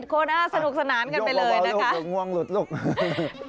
๓๗๑โคตรสนุกสนานกันไปเลยนะคะ